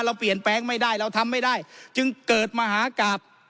เราเปลี่ยนแปลงไม่ได้เราทำไม่ได้จึงเกิดมหากราบ